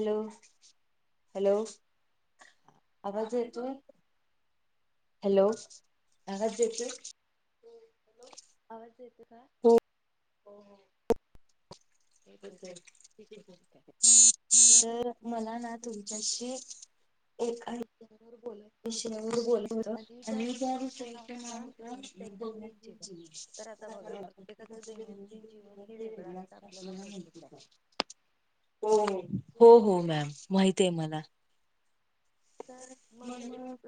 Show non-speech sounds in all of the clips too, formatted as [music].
Hello hello आवाज येतोय. Hello आवाज येतोय, हॅलो आवाज येतो का? [inaudible] हो -हो. ठीकय, ठीकय, ठीकय. तर मला ना तुमच्या एक, एका मुद्यावर बोलायचय. होत, आणि गाडीच नाव होतं [unintelligible] तर आता बघा प्रत्येकाचं दैनंदिन जीवन हे वेगळं असतं, आपल्याला माहितीच आहे. हो हो मॅम माहित आहे मला. तर मग मग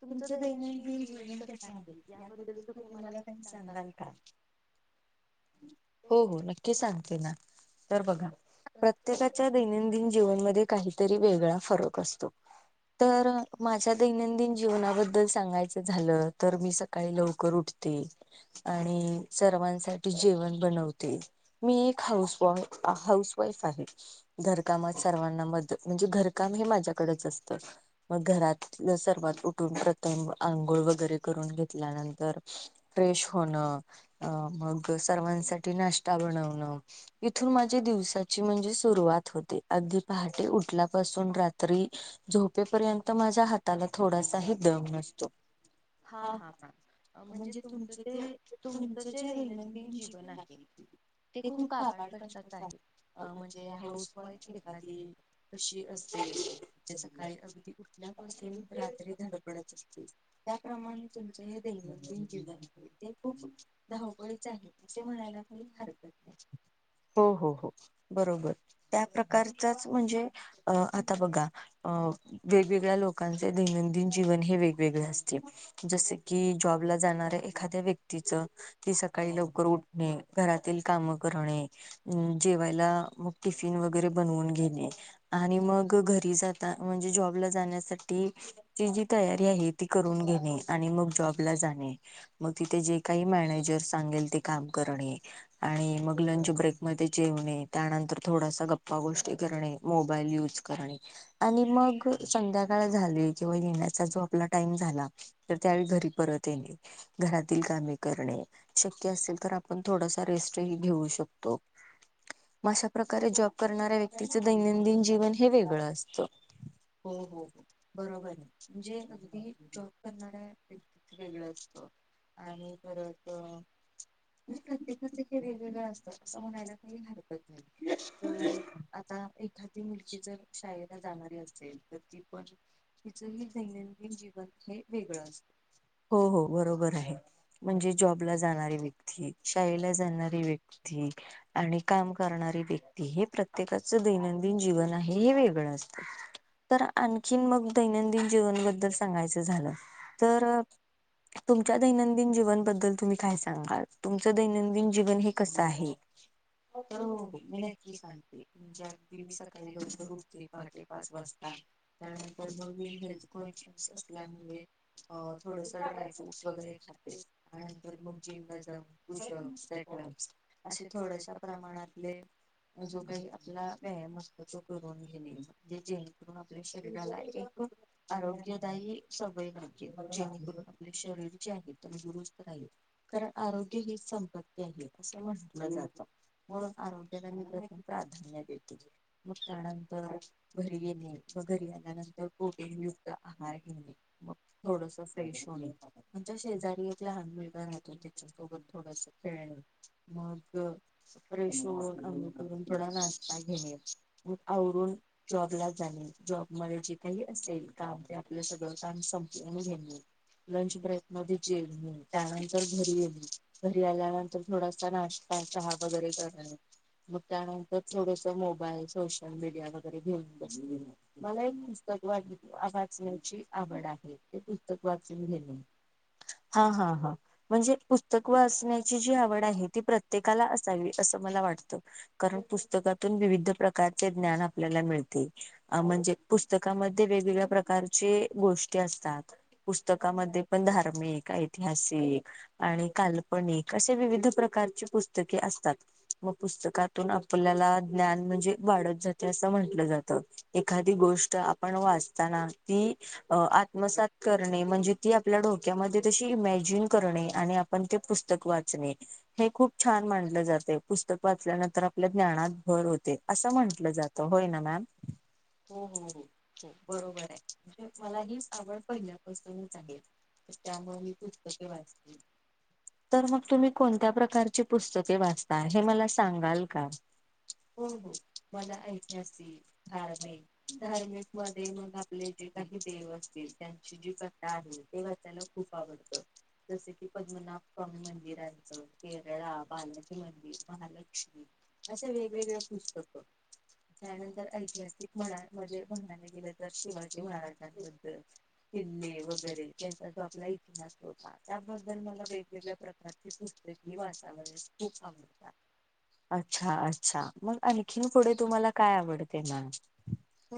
तुमचं दैनंदिन जीवन कस आहे याबद्दल तुम्ही मला काही सांगाल का. हा. [inaudible] हो हो नक्की सांगते ना, तर बघा प्रत्येकाच्या दैनंदिन जीवनमध्ये काहीतरी वेगळा फरक असतो. तर माझ्या दैनंदिन जीवनाबद्दल सांगायचं झालं, तर मी सकाळी लवकर उठते. आणि सर्वांसाठी जेवण बनवते. मी एक हाऊसवाईफ, हाऊसवाईफ आहे. घरकामात सर्वांना मदत म्हणजे घरकाम हे माझ्याकडेच असतं. मग घरात सर्वात उठून प्रथम आंघोळ वगैरे करून घेतल्यानंतर फ्रेश होणं मग सर्वांसाठी नाश्ता बनवणं इथून माझी दिवसाची सुरवात होते. अगदी पहाटे उठल्यापासून रात्री झोपेपर्यंत तर माझ्या हाताला थोडासाही दम नसतो. हा हा हां म्हणजे तुमचं ते तुमचं जे दैनंदिन जीवन आहे. ते खूप काबाड कष्टाचं आहे. अ म्हणजे हाऊस वाईफ एखादी कशी असते. ते सकाळी अगदी उठल्यापासून, रात्री धडपडत [inaudible] त्याप्रमाणे तुमच हे दैनंदीन जीवन हे खूप धावपळीच आहे. अस म्हणायला काही हरकत नाही, हो-हो-हो बरोबर. त्या प्रकारचाच म्हणजे अ आता बघा वेगवेगळ्या लोक लोकांचे दैनंदिन जीवन हे वेगवेगळे असते. जस की जॉबला जाणाऱ्या एखाद्या व्यक्तीचं ती सकाळी लवकर उठणे घरातील काम करणे. अ जेवायला मग टिफिन वगैरे बनवून घेणे. आणि मग घरी जाता म्हणजे जॉब जाण्यासाठी जी जी तयारी आहे ती करून घेणे. आणि मग जॉबला जाणे. मग तिथे जे काही मॅनेजर सांगेल ते काम करणे. आणि मग लंच ब्रेकमध्ये जेवणे, त्यानंतर थोडाशा गप्पा-गोष्टी करणे, मोबाईल यूज करणे, आणि मग संध्याकाळ झाली किंवा येण्याचा जो आपला टाइम झाला, तर त्यावेळी घरी परत येणे, घरातील कामे करणे. शक्य असेल तर, आपण थोडासा रेस्ट ही घेऊ शकतो. मग अश्या प्रकारे जॉब करणाऱ्या व्यक्तीचं दैनंदिन जीवन हे वेगळं असतं. हो हो हो बरोबर म्हणजे अगदी जॉब करणाऱ्या व्यक्तीच वेगळं असतं. आणि परत मग म्हणजे प्रत्येकच का वेगवेगळं असतं असं म्हणायला काही हरकत नाही तर. आता एखादी मुलगी जर शाळेला जाणारी असते- [unintelligible] दैनंदिन जीवन हे वेगळं असत. हो हो बरोबर आहे म्हणजे जॉब जाणारी व्यक्ती, शाळेला जाणारी व्यक्ती, आणि काम करणारी व्यक्ती हे प्रत्येकाचं दैनंदिन जीवन आहे हे वेगळं असतं. आणखीन दैनंदिन मग जीवनबद्दल सांगायच झालं तर तुमच्या दैनंदिन जीवनबद्दल तुम्ही काय सांगाल? तुमचं दैनंदिन जीवन हे कस आहे? तर मी नक्की सांगते, म्हणजे मी सकाळी लवकर पहाटे पाच वाजता नाही. त्यानंतर मग मी हेल्थ कॉन्सशन असल्यामुळे थोडस ड्राय फ्रूट्स वगैरे खाते. नंतर मग जिम ला जाऊच पुशअप [unintelligible] असशे थोडस [unintelligible] आपले जो काही आपला व्यायाम असतो तो करून घेणे. आपल्या शरीराला एक आरोग्यदायी सवय म्हणजे म्हणजे जे शरीर तंदूरूस्त राहील कारण आरोग्य ही संपत्ती आहे असं म्हटलं जातं. म्हणून आरोग्याला मी प्राधान्य देते मग त्यानंतर घरी येणे मग घरी आल्यानंतर प्रोटीन युक्त आहार घेणे मग थोडस फ्रेश होणे. आमच्या शेजारी एक लहान मुलगा राहतो त्याच्यासोबत थोडस खेळणं मग फ्रेश होऊन आंघोळ करून थोडा नाश्ता घेणे, मग आवरून जॉबला जाणे. जॉबमध्ये जे काही असेल कामे आपल्याला सगळं काम संपण घेऊ. लंच ब्रेक मध्ये जेवणे म त्यानंतर घरी येणं, घरी आल्यानंतर थोडासा नाश्ता चहा वगैरे करा मग त्यानंतर थोडस मोबाईल सोशल मीडिया वगैरे घेऊन बसणे‌. पुस्तक वा वाचण्याची आवड आहे ते पुस्तक वाचून घेणे. हा हा हा. म्हणजे पुस्तक वाचण्याची जी आवड आहे ती प्रत्येकाला असावी असं मला वाटतं. कारण पुस्तकातून विविध प्रकारचे ज्ञान आपल्याला मिळते. म्हणजे पुस्तकामध्ये वेगवेगळ्या गोष्टी असतात पुस्तक मध्ये पन‌ धार्मिक ऐतिहासिक आणि काल्पनिक असे विविध प्रकारची पुस्तके असतात. व पुस्तकातून ज्ञान वाढत जाते असं म्हंटलं जात. एखादी गोष्ट आपण वाचताना ती आत्मसात करणे म्हणजे ती आपल्या डोक्यामध्ये तशी इमॅजिन करणे आणि आपण ते पुस्तक वाचणे. हे खूप छान मानलं जाते, पुस्तक वाचल्यानंतर आपल्या ज्ञानात भर होते असं म्हंटलं जात. होय ना मॅम. हो हो हो बरोबर मला ही आवड पहिल्यापासूनच आहे. त्यामुळे मी पुस्तके वाचते. तर मग तुम्ही कोणत्या पुस्तके वाचता हे मला सांगाल का? हो हो मला ऐतिहासिक, धार्मिक धार्मिक मध्ये मग आपले जे काही देव असतील त्यांची जी कथा आहे ते वाचाायला खूप आवडते. जसे की पद्मनाभ स्वामी मंदिर आहेतं केरळा बालाजी, मंदिर महालक्ष्मी. असे वेगवेगळे त्या नंतर ऐतिहासिक म्हणायला गेलं मध्ये बघायला गेलं तर शिवाजी महाराजांबद्दल किल्ले वगैरे त्यांचा जो आपला हो त्याबद्दल मला वेगवेगळ्या प्रकारची पुस्तके वाचावयास खूप आवडतात. मग आणखीन पुढे तुम्हाला काय आवडते मॅम?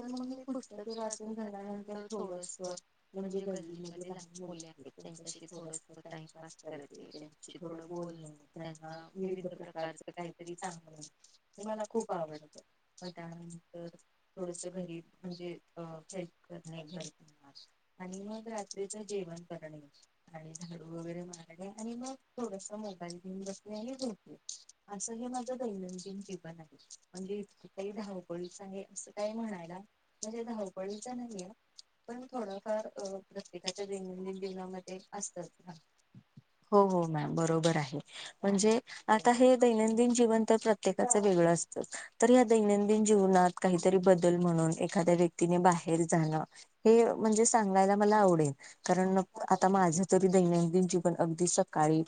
तर मग मी पुस्तके वाचून झाल्यानंतर थोडसं, म्हणजे गल्लीमध्ये लहान मुले आहेत त्यांच्याशी थोडं टाइम पास करते. त्यांच्याशी थोडं बोलणं त्यांना विविध प्रकारच काहीतरी चांगलं, ते ला खूप आवडतं. त्यानंतर खुप थोडंसं घरी म्हणजे, अ हेल्प करणे. [unintelligible] आणि मग रा त्रीचं जेवण करण, आणि झाडू वगैरे मारते. आणि मग थोडसं मोबाईल घेऊन बस ते आणि झोपते. असं हे माझं दैनंदिन जीवन, म्हणजे इतकं काही धावपळीच आहे असं काही म्हणायला, म्हणजे धावपळीच नाहीये. पण थोडाफार अ प्रत्येकाच्या दैनंदिन जीवनामध्ये असतंच ना हो हो. नाही बरोबर आहे. म्हणजे आता हे दैनंदिन जीवन तर प्रत्येकाचं वेगळं अस तच. तर या दैनंदिन जीवनात काहीतरी बदल म्हणून एखाद्या व्यक्तीने बाहेर जाणं हे म्हणजे सांगायला मला आवडेल. कारण आता माझं तरी दैनंदिन जीवन अगदी सकाळी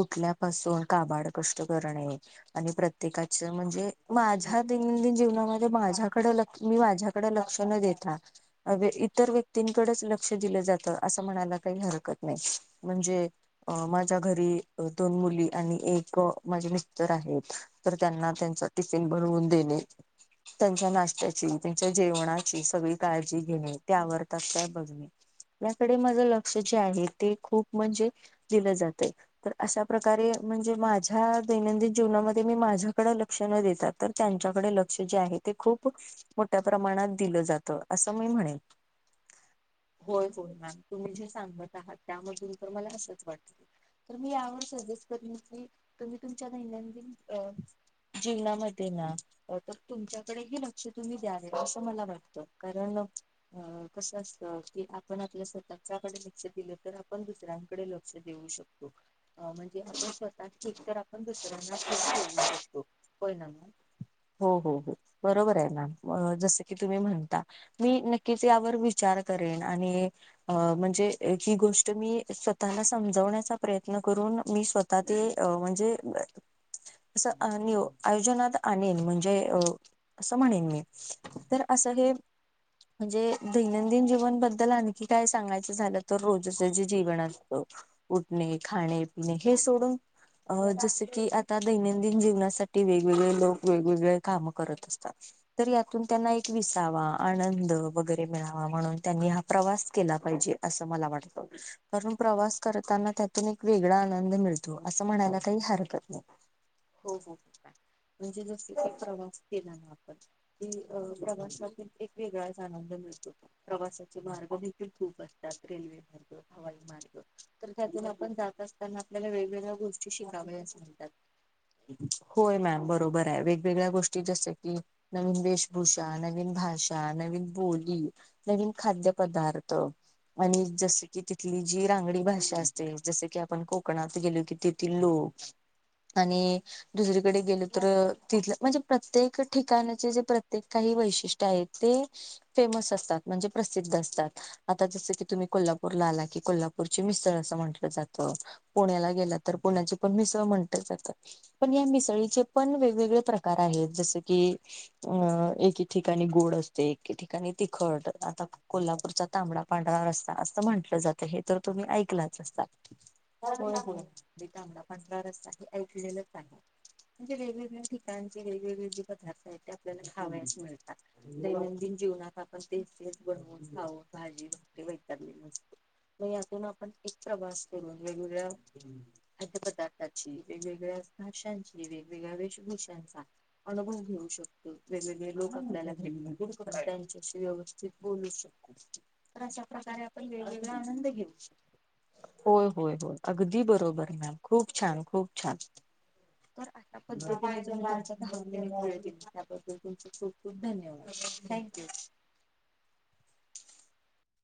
उठल्यापासून काबाड कष्ट करणे आणि प्रत्येकाचं म्हणजे माझ्या दैनंदिन जीवनाम माझ्याकडं, मी माझ्याकडं लक्ष न देता, इतर व्य क्तींकडेच लक्ष दिलं जातं, असं म्हणायला काही हरकत नाही. म्हणजे अ माझ्या घरी दोन मुली, आणि एक माझे मि स्टर आहेत. तर त्यांना त्यांचा टिफिन भरवून देणे त्यांच्या नाश्त्याची, त्यांच्या जेवणाची सगळी काळजी घेणे. ते आवरतात काय बघणे. याकडे माझं लक्ष जे आहे ते, खूप म्हणजे दिलं जातंय. तर अशा प्रकारे, म्हणजे माझ्या दैनंदिन जीवनामध्ये मी माझ्याकडं लक्ष न देता, तर त्यांच्याकडे लक्ष जे आहे ते खूप मोठ्या प्रमाणात दिलं जातं, असं मी म्हणेन. हो हो. आता तुम्ही जे सांगत आहात, त्यामधून तर मला असंच वाटतं. तर मी यावर सजेस्ट करीन की, तुम्ही तुमच्या दैनंदिन अ जीवनामध्ये ना तर तुमच्याकडे की लक्ष तुम्ही द्यावे असं मला वाटत. कारण अ कसं अस त की आपण आपल्या स्वतःकडे लक्ष दिलं तर, आपण दुसऱ्यांकडे लक्ष देऊ शकतो. म्हणजे आपण स्वतः ठीक तर, आपण दुसऱ्यांना ठीक ठेवू शकतो होय ना. हो हो हो. बरोबर आहे ना, जसं की तुम्ही म्हणता. मी नक्कीच यावर विचार करेन आणि अ म्हणजे ही गोष्ट मी स्व तःला समजवण्याचा प्रयत्न करून, मी स्वतः ते म्हणजे असं अ नियो आयोजनात आणीन. म्हणजे अ असं म्हणेन मी. तर असं हे [inaudible] म्हणजे दैनंदिन जीवनबद्दल आणखी काय सांगायचं झालं तर, रोजच जे जीवनात उठणे, खाणे, पिणे हे सोडून, अ जसं की आता दैनंदिन जीवना साठी वेगवेगळे लोक वेगवेगळे काम करत असतात. तर यातून त्यांना एक विसावा, आनंद वगैरे मिळावा म्हणून, त्यांनी हा प्रवास केला पाहिजे असं मला वाटत. त कारण प्रवास कर ताना त्यातून एक वेगळा आनंद मिळतो असं म्हणायला काही हरकत नाही. हो हो हो. म्हणजे जसं की प्रवास केला ना आपण की, प्रवासातुन एक वेगळाच आनंद मिळतो. प्रवासाचे मार्ग देखील खूप असतात. रेल्वे मार्ग, हवाई मार्ग तर त्यातून आपण जाता ना वेगवेगळ्या शिकावयास मिळतात. होय मॅम बरोबर आहे, वेगवेगळ्या गोष्टी जसं की नवीन वेश भूषा, नवीन भाषा, नवीन बोली, नवीन खाद्यपदार्थ, आणि जसं की तिथली जी रांगडी भाषा असते, जसं की आपण कोकणात गेलो की ति तेथील लोक आणि दुसरीकडे गेलं तर तिथलं म्हणजे प्रत्येक ठिकाणाचे जे प्रत्येक काही वैशिष्ट्य आहेत, ते फेमस असतात. म्हणजे प्रसिद्ध असतात, आता जसं की तुम्ही कोल्हापूरला आला की कोल्हा नागपूरची मिसळ असं म्हटलं जातं, पुण्याला गेलं तर पुण्याची पण मिसळ म्हटलं जातं. पण या मिसळीचे पण वेगवेगळे प्रकार आहेत. जस की अं एके ठिकाणी गोड असते, एके ठिकाणी तिखट आता कोल्हापूरचा तांबडा पांढरा रस्ता असं म्हंटलं जातं, हे तर तुम्ही ऐकलाच असालं? होय- होय, तांबडा, पंढरा रस्ता ऐकलेलाच आहे, म्हणजे वेगवेगळ्या ठि ठिकाणचे वेगवेगवेगळे जे पदार्थ आहे ते आपल्याला खावायस मिळतात, दैनंदिन जीवनात आपण तेच तसेच पाव भाजी हे मिळतात मस्त. आणि आत्ता आपण एक प्रभात वेगगवेगळ्या खाद्य पदार्थाची, वेगवेगळ्या भाषाची, वेगवेगळ्या वेशभूषा चा अनुभव घेऊ शकतो, वेगवेगळे लोक आपल्याला [unintelligible] घेऊ त्यांशी व्यव बोलु शकतो. तर अशा प्रकारे आपण वेगवेगळा आनंद घेऊ. होय-होय, होय अगदी बरोबर मॅभ खूप छान, खूप छान. तर अशा पद्धतीने तुझ [unintelligible] त्याबद्दलुम खूप खूप धन्यवाद, थॅक